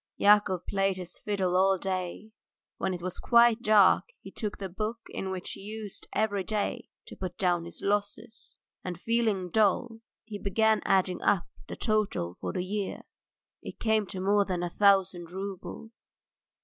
Yakov played his fiddle all day; when it was quite dark he took the book in which he used every day to put down his losses, and, feeling dull, he began adding up the total for the year. It came to more than a thousand roubles.